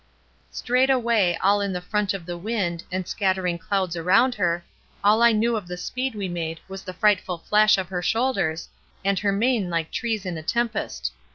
Straight away, all in the front of the wind, and scattering clouds around her, all I knew of the speed we made was the frightful flash of her shoulders, and her mane like trees in a tempest.